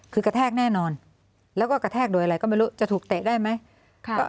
คือกระแทกแน่นอนแล้วก็กระแทกโดยอะไรก็ไม่รู้จะถูกเตะได้ไหม